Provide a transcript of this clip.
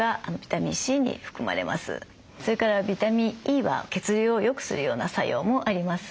それからビタミンＥは血流を良くするような作用もあります。